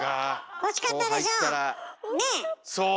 惜しかったでしょう！